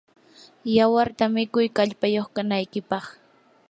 yawarta mikuy kallpayuq kanaykipaq.